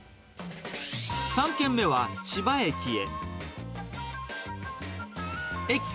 ３軒目は、千葉駅へ。